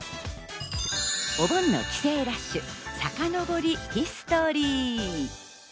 お盆の帰省ラッシュさかのぼりヒストリー。